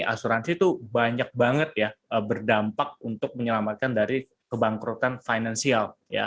asuransi itu banyak banget ya berdampak untuk menyelamatkan dari kebangkrutan finansial